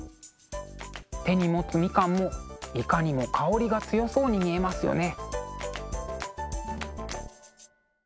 手に持つみかんもいかにも香りが強そうに見えますよね。